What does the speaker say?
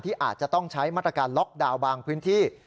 อาจจะต้องใช้มาตรการล็อกดาวน์บางพื้นที่